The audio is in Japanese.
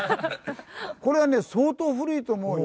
これはね相当古いと思うよ